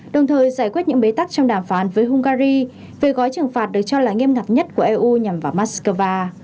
đồng thời giải quyết những bế tắc trong đàm phán với hungary về gói trừng phạt được cho là nghiêm ngặt nhất của eu nhằm vào moscow